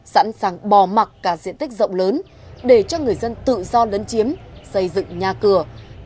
sẵn sàng bỏ mặt cả diện tích rộng lớn để cho người dân tự do lấn chiếm xây dựng nhà cửa